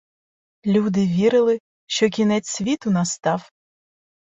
Люди вірили, що кінець світу настав.